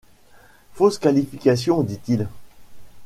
Fausse qualification ! dit-il.